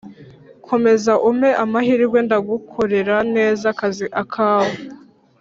Komeza umpe amahirwe ndagukorera neza akazi akawe